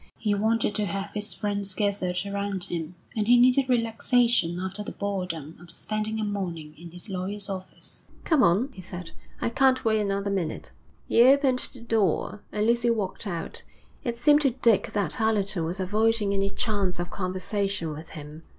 He wanted to have his friends gathered around him, and he needed relaxation after the boredom of spending a morning in his lawyer's office. 'Come on,' he said. 'I can't wait another minute.' He opened the door, and Lucy walked out. It seemed to Dick that Allerton was avoiding any chance of conversation with him.